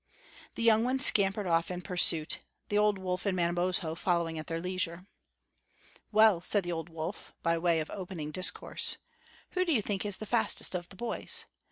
The young ones scampered off in pursuit, the old wolf and Manabozho following at their leisure. "Well," said the old wolf, by way of opening discourse, "who do you think is the fastest of the boys?